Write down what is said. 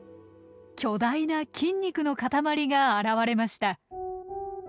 巨大な筋肉の塊が現れました。